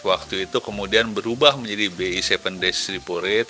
waktu itu kemudian berubah menjadi bi tujuh days repo rate